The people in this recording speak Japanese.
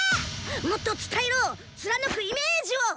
もっと伝えろ貫くイメージを！